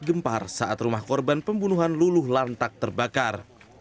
gempar saat rumah korban pembunuhan luluh lantak terbakar